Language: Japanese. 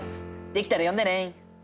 出来たら呼んでね。